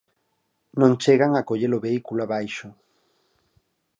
Non chegan a coller o vehículo abaixo.